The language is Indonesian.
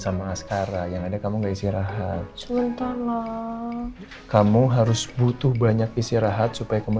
sama askara yang ada kamu gak isi rahat sebentar lah kamu harus butuh banyak isi rahat supaya kamu